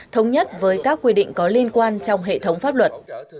thống nhất với các quy định có liên quan trong hệ thống pháp luật